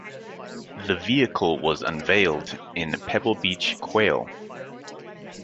The vehicle was unveiled in Pebble Beach Quail.